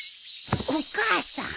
お母さん。